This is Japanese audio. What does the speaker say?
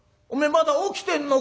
まだ起きてんのか？」。